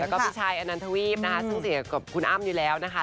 แล้วก็พี่ชายอนันทวีปนะคะซึ่งเสียกับคุณอ้ำอยู่แล้วนะคะ